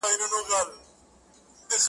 تبر ځکه زما سینې ته را رسیږي!!